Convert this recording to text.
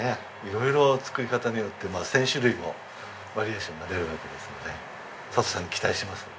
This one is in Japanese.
色々作り方によって１０００種類もバリエーションが出るわけですので佐藤さんに期待しています。